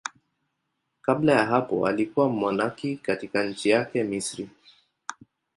Kabla ya hapo alikuwa mmonaki katika nchi yake, Misri.